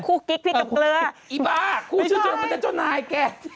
คู่กริ๊กพลิกกับเกลือไอ้บ้าคู่ชื่นชุดรมูลมันจะจนนายแก